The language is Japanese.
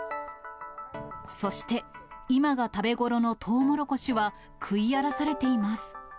そして、今が食べ頃のトウモロコシは、食い荒らされています。